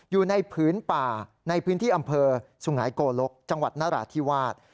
อยู่ในผืนป่าในพื้นที่อำเภอสุงหายโกลกจังหวัดนราธิวาส